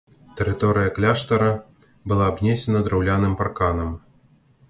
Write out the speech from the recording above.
Тэрыторыя кляштара была абнесена драўляным парканам.